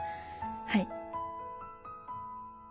はい。